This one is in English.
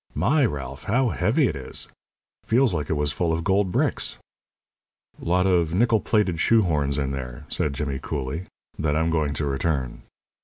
"My! Ralph, how heavy it is? Feels like it was full of gold bricks." "Lot of nickel plated shoe horns in there," said Jimmy, coolly, "that I'm going to return.